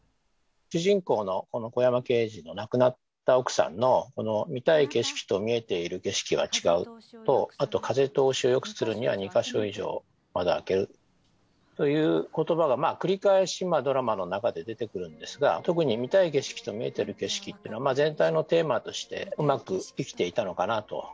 主人公の香山刑事の亡くなった奥さんの「見たい景色と見えている景色は違う」とあと「風通しをよくするには２か所以上窓を開ける」という言葉が繰り返しドラマの中で出てくるんですが特に見たい景色と見えている景色っていうのは全体のテーマとしてうまく生きていたのかなと。